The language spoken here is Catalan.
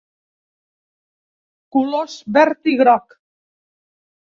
Colors: verd i groc.